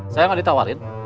saya gak ditawarin